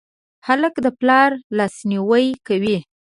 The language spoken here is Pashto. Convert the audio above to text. هلک د پلار لاسنیوی کوي.